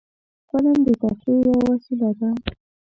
فلم د تفریح یوه وسیله ده